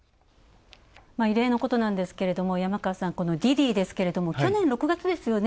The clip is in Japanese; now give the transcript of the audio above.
異例のことなんですけれども山川さん、滴滴ですけど、去年６月ですよね。